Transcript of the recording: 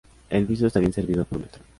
El Viso está bien servido por metro.